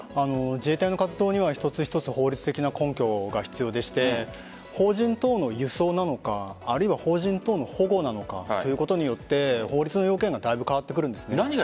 自衛隊の活動には一つ法律的な根拠が必要で邦人等の輸送なのかあるいは法人等の保護なのかということによって法律の要件がだいぶ変わってきます。